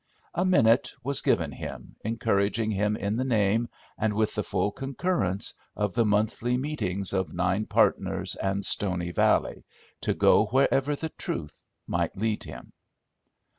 A "minute" was given him, encouraging him in the name, and with the full concurrence, of the monthly meetings of Nine Partners and Stony Valley, to go wherever the Truth might lead him.